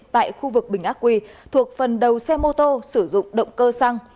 tại khu vực bình ác quỳ thuộc phần đầu xe mô tô sử dụng động cơ xăng